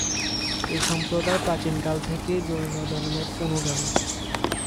এই সম্প্রদায় প্রাচীন কাল থেকেই জৈনধর্মের অনুগামী।